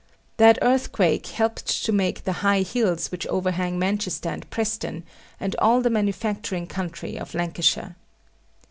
That earthquake helped to make the high hills which overhang Manchester and Preston, and all the manufacturing county of Lancashire.